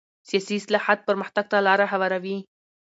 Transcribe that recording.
سیاسي اصلاحات پرمختګ ته لاره هواروي